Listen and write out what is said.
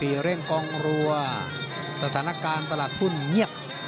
เร่งกองรัวสถานการณ์ตลาดหุ้นเงียบ